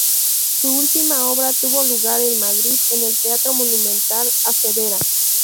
Su última obra tuvo lugar en Madrid en el teatro Monumental: "A Severa".